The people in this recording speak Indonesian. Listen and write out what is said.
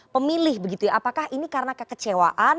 pemilih begitu ya apakah ini karena kekecewaan